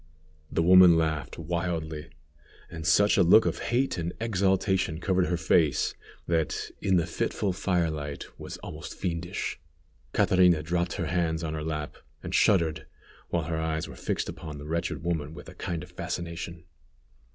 The woman laughed wildly, and such a look of hate and exultation covered her face, that, in the fitful fire light, was almost fiendish. Catrina dropped her hands on her lap, and shuddered, while her eyes were fixed upon the wretched woman with a kind of fascination.